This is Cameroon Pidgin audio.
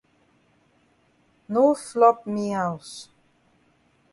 No flop me haus.